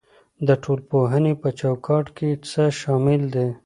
د ټولنپوهنې په چوکاټ کې څه شامل دي؟